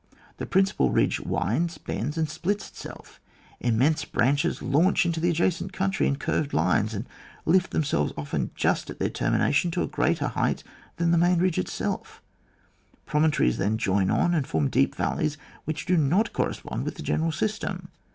The principal ridge winds, bends, and splits itself; immense branches launch into the adjacent country in curved lines, and lift themselves often just at their termination to a greater height than the main ridge itself; pro montories then join on, ^d form deep valleys which do not correspond with the general system.